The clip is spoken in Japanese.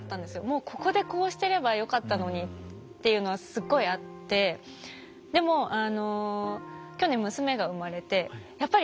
もう「ここでこうしてればよかったのに」っていうのはすごいあってでもあの去年娘が生まれてやっぱりこう。